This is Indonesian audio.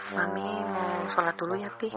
mami mau sholat dulu ya pi